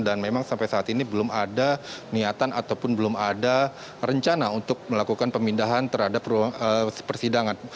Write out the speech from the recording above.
dan memang sampai saat ini belum ada niatan ataupun belum ada rencana untuk melakukan pemindahan terhadap persidangan